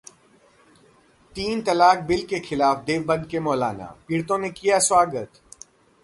तीन तलाक बिल के खिलाफ देवबंद के मौलाना, पीड़ितों ने किया स्वागत